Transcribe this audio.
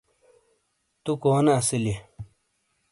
تُو کونے اسیلئیے؟